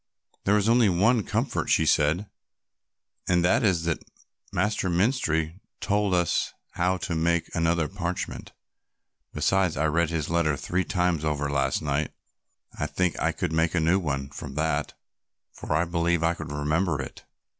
"There is only one comfort," she said, "and that is that Master Menstrie told us how to make another parchment; besides I read his letter three times over last night and I think I could make a new one from that, for I believe I could remember it.